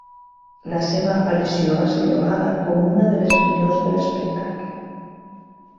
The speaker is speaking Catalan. La seva aparició va ser lloada com una de les millors de l'espectacle.